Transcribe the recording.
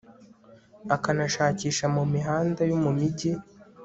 akanashakisha mu mihanda yo mu migi